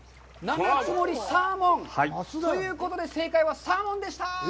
七ツ森サーモン。ということで正解はサーモンでした。